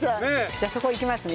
じゃあそこ行きますね。